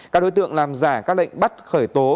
các đối tượng làm giả các lệnh bắt khởi tố